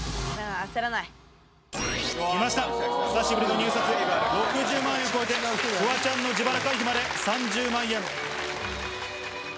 焦らない。来ました、久しぶりの入札、６０万円超えてフワちゃんの自腹回避まで３０万円。